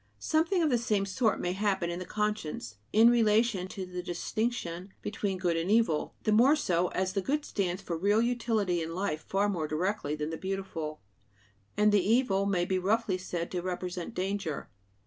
Something of the same sort may happen in the conscience in relation to the distinction between good and evil; the more so as the good stands for real utility in life far more directly than the beautiful, and the evil may be roughly said to represent danger.